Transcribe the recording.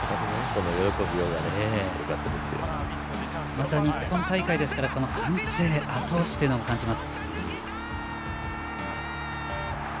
また日本大会ですから歓声、あと押しも感じます。